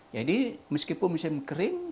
jadi meskipun musim kering